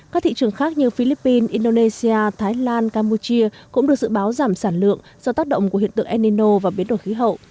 các thị trường khác như philippines indonesia thái lan campuchia cũng được dự báo giảm sản lượng do tác động của hiện tượng enino và biến đổi khí hậu